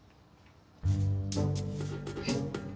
えっ！